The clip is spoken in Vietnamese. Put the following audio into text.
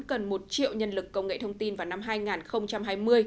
cần một triệu nhân lực công nghệ thông tin vào năm hai nghìn hai mươi